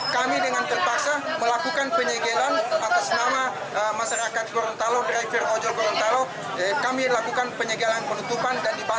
kemudian penutupan prioritas juga harus dihentikan